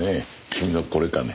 君のこれかね？